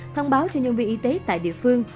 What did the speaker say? thông báo cho nhân viên y tế tại địa phương